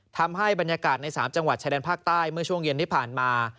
ทำให้บรรยากาศใน๓จังหวัดชายแดนภาคใต้เมื่อช่วงเย็นที่ผ่านมา